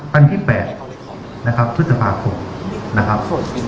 วันที่๘นะครับพฤษภาคมนะครับ